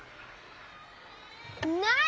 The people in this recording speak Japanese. ない！